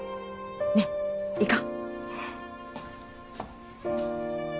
ねっ行こう。